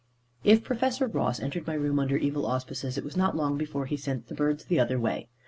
If Professor Ross entered my room under evil auspices, it was not long before he sent the birds the other way.